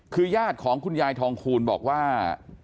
คือญาติของคุณยายทองคูณบอกว่า